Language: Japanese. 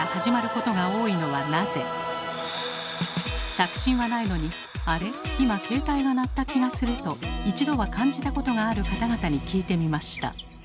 着信はないのに「あれ？今携帯が鳴った気がする」と一度は感じたことがある方々に聞いてみました。